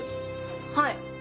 はい。